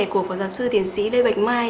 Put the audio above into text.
của phó giáo sư tiến sĩ lê bạch mai